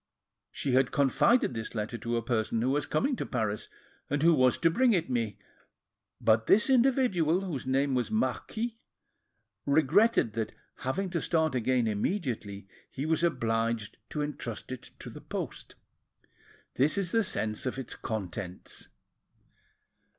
She had confided this letter to a person who was coming to Paris, and who was to bring it me; but this individual, whose name was Marquis, regretted that having to start again immediately, he was obliged to entrust it to the post. This is the sense of its contents.